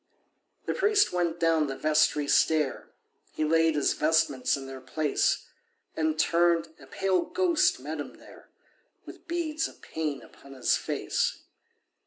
The priest went down the vestry stair, He laid his vestments in their place, And turned—a pale ghost met him there, With beads of pain upon his face.